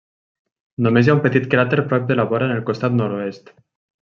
Només hi ha un petit cràter prop de la vora en el costat nord-oest.